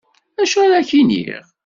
Acu ara ak-iniɣ.